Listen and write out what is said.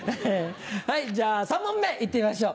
はいじゃあ３問目行ってみましょう。